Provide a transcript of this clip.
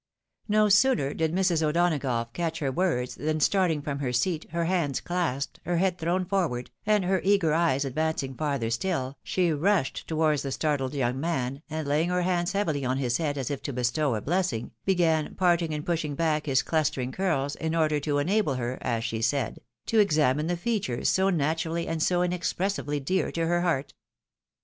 No sooner did Mrs. O'Donagough catch her words than starting from her seat, her hands clasped, her head thrown forward, and her eager eyes advancing farther ^still, she rushed towards the startled young man, and, laying her hands heavily on his head as if to bestow her blessing, began parting and pushing back his clustering curls in order to enable her, as she said, to examine the features so naturally and so inexpressibly dear to her heart.